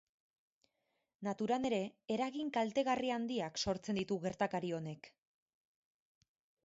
Naturan ere eragin kaltegarri handiak sortzen ditu gertakari honek.